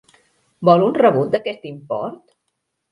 Vol un rebut d'aquest import?